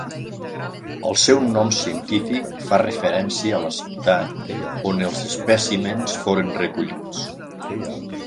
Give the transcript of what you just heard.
El seu nom científic fa referència a la ciutat on els espècimens foren recollits.